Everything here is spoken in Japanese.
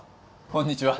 こんにちは。